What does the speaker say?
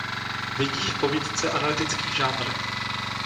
Vidí v povídce analytický žánr.